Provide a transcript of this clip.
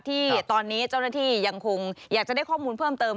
ที่ตอนนี้เจ้าหน้าที่ยังคงอยากจะได้ข้อมูลเพิ่มเติม